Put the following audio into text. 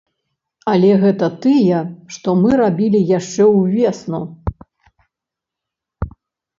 Але гэта тыя, што мы рабілі яшчэ ўвесну.